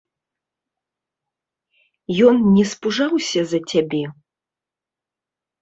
Ён не спужаўся за цябе?